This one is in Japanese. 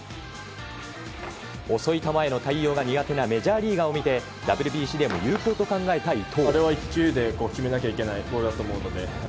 遅い球への対応が苦手なメジャーリーガーを見てＷＢＣでも有効と考えた伊藤。